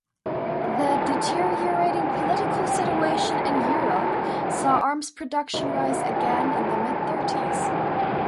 The deteriorating political situation in Europe saw arms production rise again in the mid-thirties.